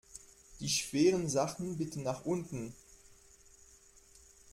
Die schweren Sachen bitte nach unten!